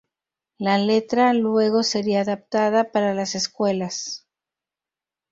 La letra luego sería adaptada para las escuelas.